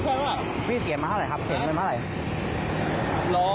ใช่หรอพี่เสียมาเท่าไรครับเสียมาเท่าไรหรอ